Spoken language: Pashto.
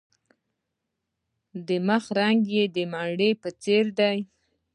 د مخ رنګ د مڼې په څیر دی.